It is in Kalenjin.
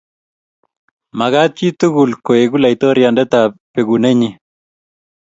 mekat chitugul ko leku laitoriandetab bekune nyin